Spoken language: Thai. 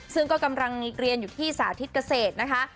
ซึ่งก็กำลังเรียนอยู่ที่สาธิตเกษตรนะคะ